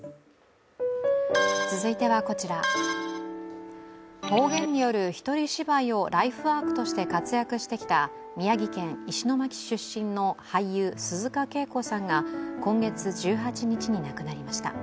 続いてはこちら、方言による１人芝居をライフワークとして活躍してきた宮城県石巻市出身の俳優・鈴鹿景子さんが今月１８日に亡くなりました。